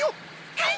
はい！